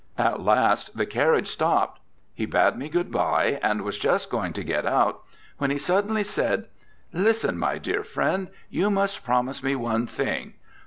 At last the carriage stopped; he bade me good bye, and was just going to get out, when he suddenly said, 'Listen, my dear friend, you must promise me one thing.